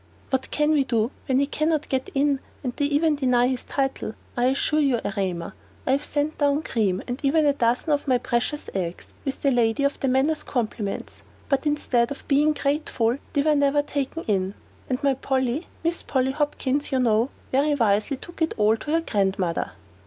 "What can he do, when he can not get in, and they even deny his title? I assure you, Erema, I have sent down cream, and even a dozen of my precious eggs, with the lady of the manor's compliments; but instead of being grateful, they were never taken in; and my Polly 'Miss Polly Hopkins,' you know very wisely took it all to her grandmother."